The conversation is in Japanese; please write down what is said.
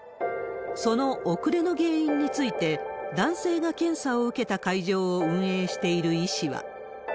その遅れの原因について、男性が検査を受けた会場を運営している医師は。